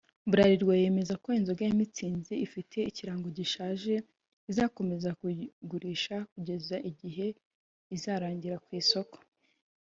Bralirwa yemeza ko inzoga ya Mützig ifite ikirango gishaje izakomeza kugurishwa kugeza igihe izarangirira ku isoko